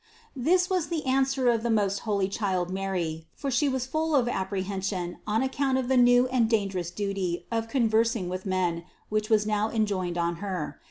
395. This was the answer of the most holy child Mary, for She was full of apprehension on account of 312 CITY OF GOD the new and dangerous duty of conversing with men which was now enjoined on Her.